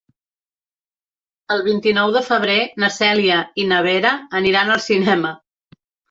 El vint-i-nou de febrer na Cèlia i na Vera aniran al cinema.